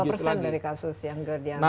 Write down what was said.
berapa persen dari kasus yang gerd yang